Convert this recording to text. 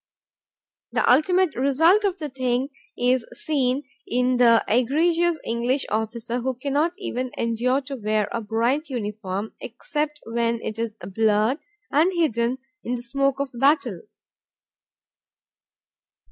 The ultimate result of the thing is seen in the egregious English officer who cannot even endure to wear a bright uniform except when it is blurred and hidden in the smoke of battle.